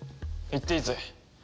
行っていいぜ。